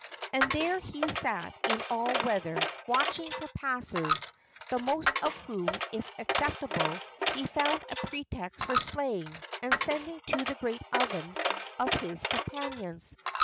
And there he sat in all weather, watching for passers, the most of whom, if acceptable, he found a pretext for slaying and sending to the great oven of his companions.